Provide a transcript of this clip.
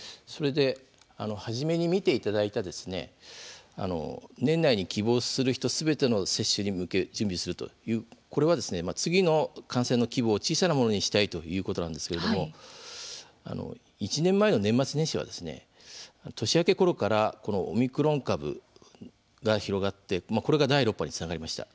初めに見ていただいた年内に希望する人すべての接種に向け準備するという、これは次の感染の規模を小さなものにしたいということなんですけれども１年前の年末年始は年明けごろからオミクロン株が広がってこれが第６波につながりました。